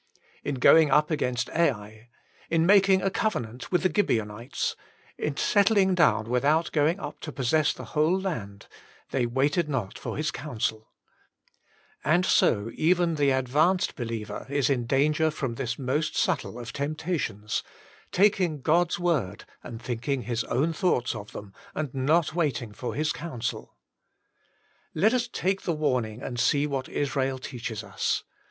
In going up against Ai, in making a covenant with the Gibeonites, in settling down without going up to possess the whole land, they waited not for His counsel And so even the advanced be liever is in danger from this most subtle of temptations — taking Grod's word and thinking his own thoughts of them, and not waiting for His counsel Let us take the warning and see what Israel teaches us.